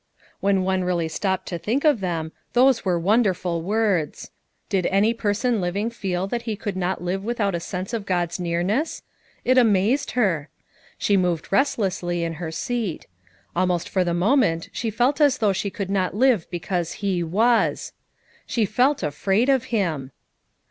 When one really stopped to think of them those were wonderful words. Did any person living feel that he could not live Without a sense of God's nearness! It amazed her. She moved restlessly in her seat. Almost for the moment she felt as though she could not live because he toas. She felt afraid of him!